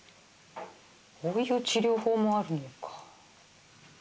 こういう治療法もあるのか。